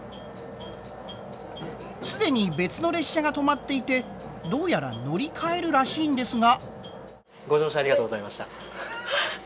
既に別の列車が止まっていてどうやら乗り換えるらしいんですが。